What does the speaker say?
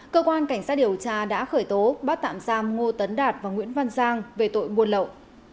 cơ quan cảnh sát điều tra đã khởi tố bắt tạm giam ngô tấn đạt và nguyễn văn giang về tội buôn lậu